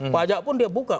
pajak pun dia buka